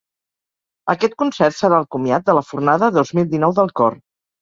Aquest concert serà el comiat de la fornada dos mil dinou del cor.